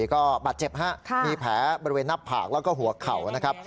ก็บาดเจ็บฮะมีแผลบริเวณหน้าผากแล้วก็หัวเข่านะครับ